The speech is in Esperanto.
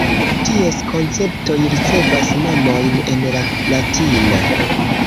Ties konceptoj ricevas nomojn en la latina.